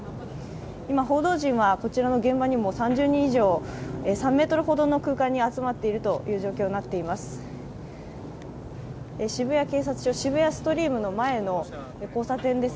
今、報道陣はこちらの現場にも３０人以上、３ｍほどの空間に集まっているという状況になっています。